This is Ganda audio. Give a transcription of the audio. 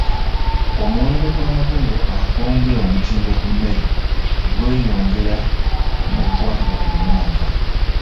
Omuwendo gw'amakolero ag'ongera omutindo ku mmere gweyongera mu ggwanga buli mwaka.